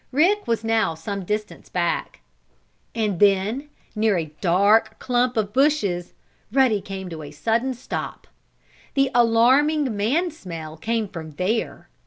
Rick was now some distance back. And then, near a dark clump of bushes, Ruddy came to a sudden stop. The alarming man smell came from there.